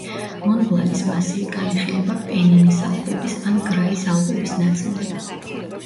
მონბლანის მასივი განიხილება პენინის ალპების ან გრაის ალპების ნაწილად.